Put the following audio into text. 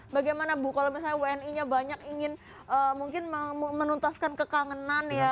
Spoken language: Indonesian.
bagaimana bu kalau misalnya wni nya banyak ingin mungkin menuntaskan kekangenan ya